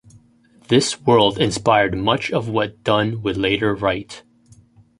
This world inspired much of what Dunn would later write.